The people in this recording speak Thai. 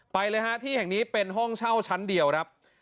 ไปเลยฮะที่แห่งนี้เป็นห้องเช่าชั้นเดียวครับ